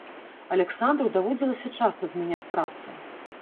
Аляксандру даводзілася часта змяняць працу.